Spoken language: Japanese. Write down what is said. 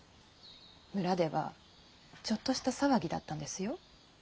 村ではちょっとした騒ぎだったんですよ。